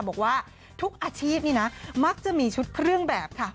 บอกว่าทุกอาชีพนี่นะมักจะมีชุดเครื่องแบบค่ะ